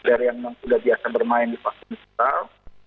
biar yang memang sudah biasa bermain di platform digital